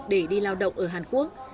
để đi lao động ở hàn quốc